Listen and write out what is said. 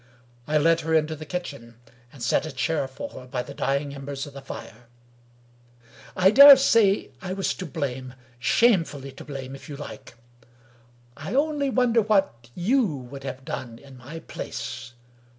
I led her into the kitchen, and set a chair for her by the dying embers of the fire. I dare say I was to blame — shamefully to blame, if you like. I only wonder what you would have done in my place.